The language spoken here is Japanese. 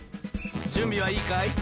じゅんびはいいかい？